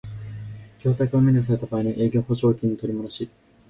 供託を免除された場合の営業保証金の取りもどし